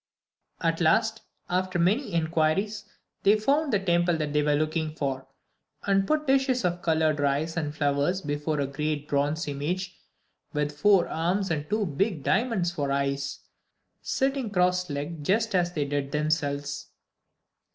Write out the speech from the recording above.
"] At last, after many inquiries, they found the temple that they were looking for, and put dishes of coloured rice and flowers before a great bronze image with four arms and two big diamonds for eyes, sitting cross legged just as they did themselves.